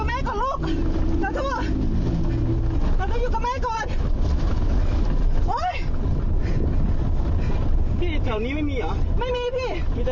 โรงพยาบาลที่ไหนพี่ใกล้สุดอ่ะ